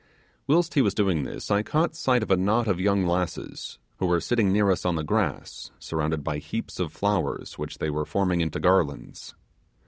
Whilst he was doing this, I caught sight of a knot of young lasses, who were sitting near us on the grass surrounded by heaps of flowers which they were forming into garlands.